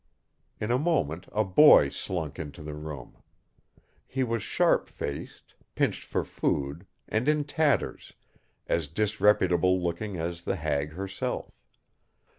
In a moment a boy slunk into the room. He was sharp faced, pinched for food, and in tatters, as disreputable looking as the hag herself.